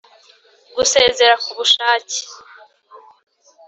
Gusezera k ubushake